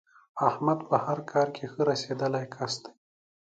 احمد په هر کار کې ښه رسېدلی کس دی.